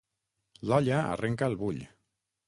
L'olla arrenca el bull.